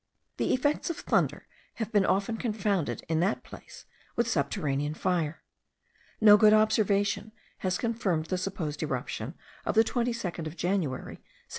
The effects of thunder have been often confounded in that place with subterranean fire. No good observation has confirmed the supposed eruption of the 22nd of January, 1792.